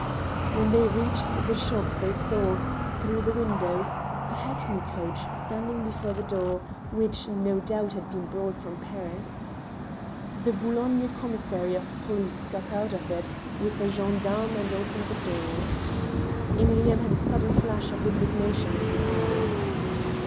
When they reached the shop they saw, through the windows, a THE HAMMER. 109 hackney coach standing before the door, which no doubt had been brought from Paris. The Boulogne commissary of police got out of it with a gendarme and opened the door. ' Emilienne had a sudden flash of hidignation in her eyes.